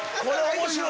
面白い！